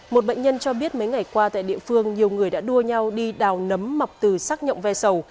một bệnh nhân cho biết mấy ngày qua tại địa phương nhiều người đã đua nhau đi đào nấm mọc từ sắc nhộng ve sầu